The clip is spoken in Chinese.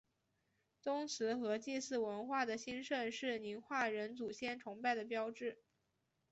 宗祠和祭祀文化的兴盛是宁化人祖先崇拜的标志。